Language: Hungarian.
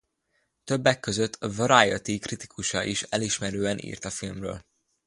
Többek között a Variety kritikusa is elismerően írt a filmről.